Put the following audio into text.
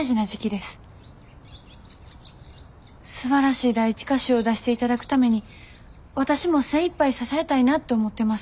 すばらしい第一歌集を出していただくために私も精いっぱい支えたいなって思ってます。